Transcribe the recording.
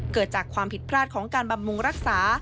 เกิดจากความผิดพลาดของการบำรุงรักษา